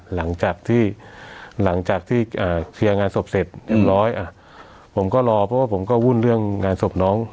หลังจากที่หลังจากที่เคลียร์งานศพเสร็จเรียบร้อยผมก็รอเพราะว่าผมก็วุ่นเรื่องงานศพน้อง